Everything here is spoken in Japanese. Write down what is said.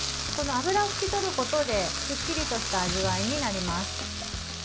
脂を拭き取ることですっきりした味わいになります。